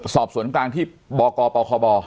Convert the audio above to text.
สอบสวนกลางที่บกปคบ